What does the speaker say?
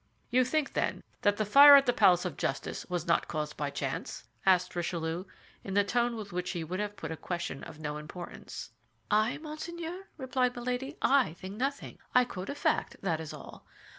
"You think, then, that the fire at the Palace of Justice was not caused by chance?" asked Richelieu, in the tone with which he would have put a question of no importance. "I, monseigneur?" replied Milady. "I think nothing; I quote a fact, that is all.